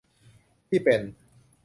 ที่เป็น